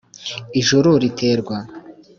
Ijuru riterwa